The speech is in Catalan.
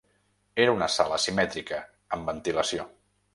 Era una sala simètrica, amb ventilació